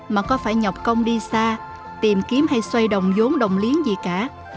mà có phải nhọc công đi xa tìm kiếm hay xoay đồng vốn đồng liếng gì cả